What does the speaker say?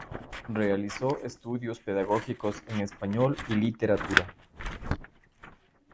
Realizó estudios pedagógicos en español y literatura.